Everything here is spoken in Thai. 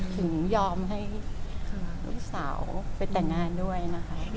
ถึงยอมให้ลูกสาวไปแต่งงานด้วยนะคะ